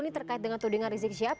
ini terkait dengan tudingan rizik syihab